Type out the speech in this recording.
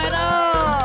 ledang ledang ledang